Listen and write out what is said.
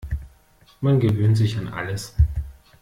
Man gewöhnt sich an alles.